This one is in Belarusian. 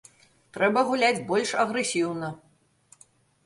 Трэба гуляць больш агрэсіўна.